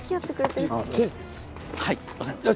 はい分かりました。